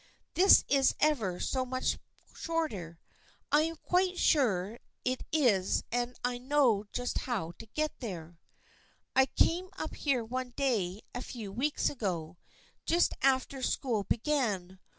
" This is ever so much shorter. I am quite sure it is and I know just how to get there. I came up here one day a few weeks ago, just after school began.